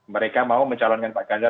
mereka mau mencalonkan pak ganjar